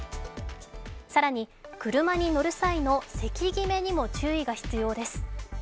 更に、車に乗る際の席決めにも注意が必要です。